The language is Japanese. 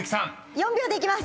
４秒でいきます！